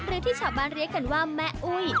หรือที่ชาวบ้านเรียกกันว่าแม่อุ้ย